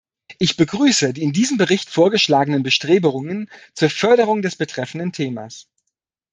Ich begrüße die in diesem Bericht vorgeschlagenen Bestrebungen zur Förderung des betreffenden Themas.